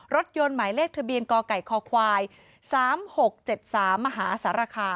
รถยนต์หมายเลขทะเบียนกไก่คคควาย๓๖๗๓มหาสารคาม